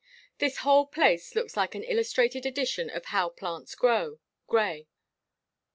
"This whole place looks like an illustrated edition of 'How Plants Grow' Grey.